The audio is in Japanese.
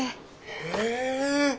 へえ！